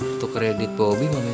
untuk kredit bobi mami